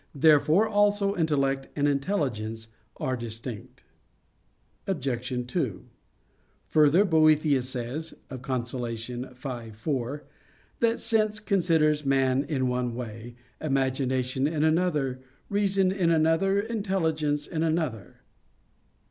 Therefore also intellect and intelligence are distinct. Obj. 2: Further, Boethius says (De Consol. v, 4) that "sense considers man in one way, imagination in another, reason in another, intelligence in another."